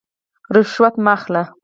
رشوت مه اخلئ